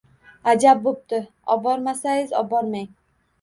Ajab bo‘pti, obormasayiz obormang.